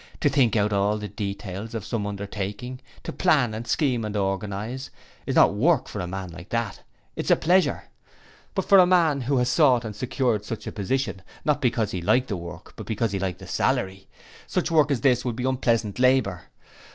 To think out all the details of some undertaking, to plan and scheme and organize, is not work for a man like that. It is a pleasure. But for a man who has sought and secured such a position, not because he liked the work, but because he liked the salary such work as this would be unpleasant labour.